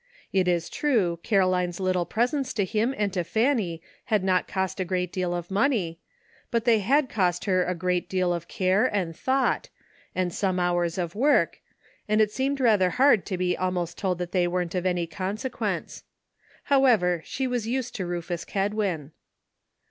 It is true Caroline's little presents to him and to Fanny had not cost a great deal of money, but they had cost her a great deal of care and thought, and some hours of work, and it seemed rather hard to be almost told that they weren't of any con sequence. However, she was used to Rufus Kedwin.